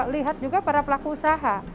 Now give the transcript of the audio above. lihat juga para pelaku usaha